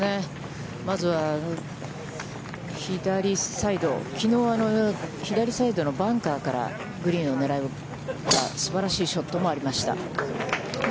まずは、左サイド、きのう、左サイドのバンカーからグリーンを狙った、すばらしいショットもありました。